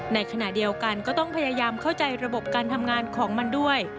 ในขณะเดียวกันก็ต้องพยายามเข้าใจระบบการทำงานของมันด้วย